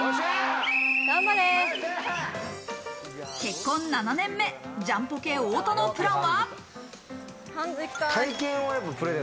結婚７年目、ジャンポケ・太田のプランは。